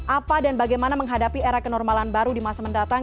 apa dan bagaimana menghadapi era kenormalan baru di masa mendatang